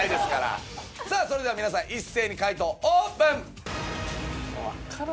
それでは皆さん一斉に解答オープン！